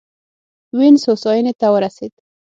وینز هوساینې ته ورسېد.